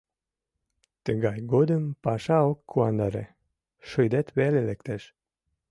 Тыгай годым паша ок куандаре, шыдет веле лектеш.